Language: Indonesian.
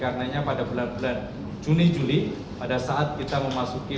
karena pada bulan bulan juni juli pada saat kita memasuki